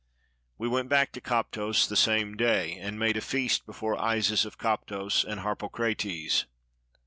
We went back to Koptos the same day, and made a feast before Isis of Koptos and Harpokrates.